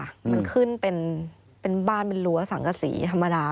มันขึ้นเป็นบ้านเป็นรั้วสังกษีธรรมดา